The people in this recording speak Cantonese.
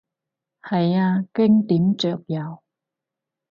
係啊，經典桌遊